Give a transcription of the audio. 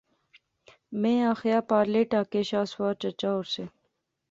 میں آخیا، پارلے ٹہا کے شاہ سوار چچا اور سے